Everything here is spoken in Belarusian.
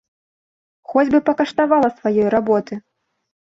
Хоць бы пакаштавала сваёй работы!